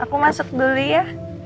aku masuk dulu ya